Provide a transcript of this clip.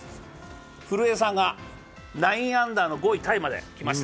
古江さんが９アンダーの５位タイまで来ました。